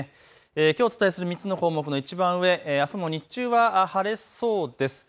きょうお伝えする３つの項目のいちばん上、あすも日中は晴れそうです。